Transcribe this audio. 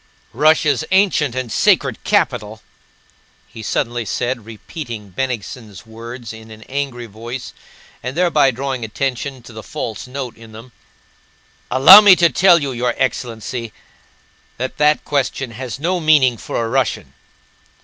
"Russia's ancient and sacred capital!" he suddenly said, repeating Bennigsen's words in an angry voice and thereby drawing attention to the false note in them. "Allow me to tell you, your excellency, that that question has no meaning for a Russian."